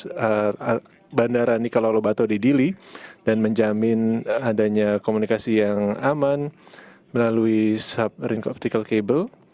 kita telah memperluas bandara nikolai lobato di dili dan menjamin adanya komunikasi yang aman melalui sub ring optical cable